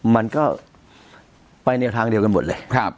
มันก็ไปแนวทางเดียวกันหมดเลย